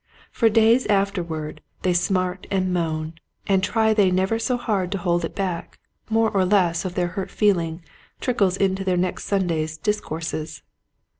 For days afterward they smart and moan, and try they never so hard to hold it back, more or less of their hurt feeling trickles into their next Sunday's discourses.